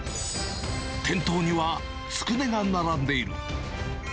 店頭には、つくねが並んでいる。